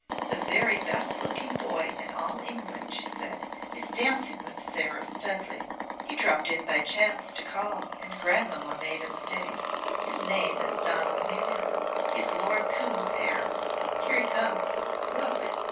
"The very best looking boy in all England," she said, "is dancing with Sara Studleigh. He dropped in by chance to call and grandmamma made him stay. His name is Donal Muir. He is Lord Coombe's heir. Here he comes. Look!"